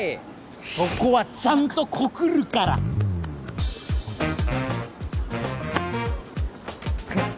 そこはちゃんと告るからフッ何だよ